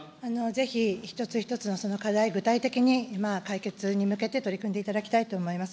ぜひ、一つ一つのその課題、具体的に解決に向けて取り組んでいただきたいと思います。